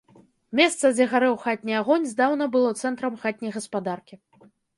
Месца, дзе гарэў хатні агонь, здаўна было цэнтрам хатняй гаспадаркі.